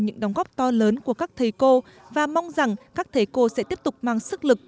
những đóng góp to lớn của các thầy cô và mong rằng các thầy cô sẽ tiếp tục mang sức lực